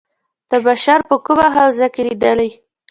د بشر په کومه حوزه کې لېدلي.